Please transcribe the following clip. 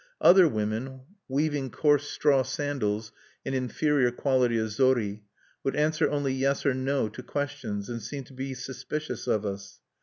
Other women, weaving coarse straw sandals (an inferior quality of zori), would answer only 'yes' or 'no' to questions, and seemed to be suspicious of us.